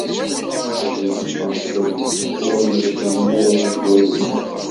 Iles-nsen ur izgil yiwen di ddunit.